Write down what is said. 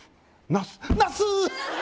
ナスナス！